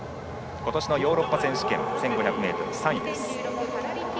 今年のヨーロッパ選手権１５００ｍで３位。